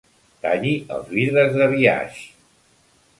Talli els vidres de biaix.